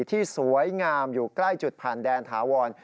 ที่สวยงามอยู่ใกล้จุดผ่านแดนถาวร